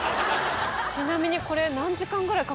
ちなみにこれ。